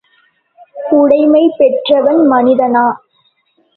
உடைமை பெற்றவன் மனிதனா?